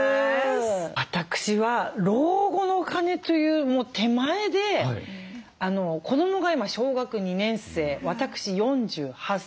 私は老後のお金というもう手前で子どもが今小学２年生私４８歳。